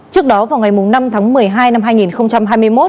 trước đó vào ngày năm tháng một mươi hai năm hai nghìn hai mươi một